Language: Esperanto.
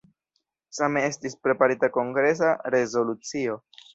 Same estis preparita kongresa rezolucio.